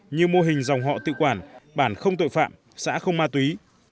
như mô hình dòng họ tự quản bản không tội phạm xã không ma túy